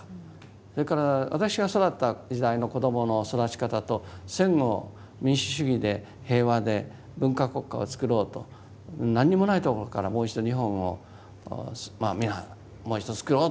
それから私が育った時代の子どもの育ち方と戦後民主主義で平和で文化国家をつくろうと何にもないところからもう一度日本を皆もう一度つくろうと思ったわけです。